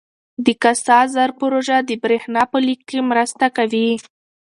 د کاسا زر پروژه د برښنا په لیږد کې مرسته کوي.